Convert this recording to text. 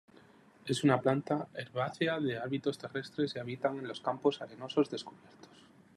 Es una planta herbácea de hábitos terrestres y habitan en los campos arenosos descubiertos.